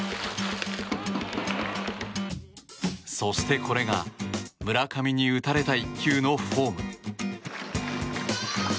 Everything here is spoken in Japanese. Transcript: そしてこれが村上に打たれた一球のフォーム。